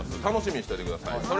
楽しみにしといてください